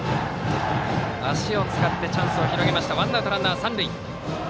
足を使ってチャンスを広げワンアウトランナー、三塁。